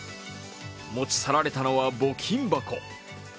持ち去られたのは募金箱。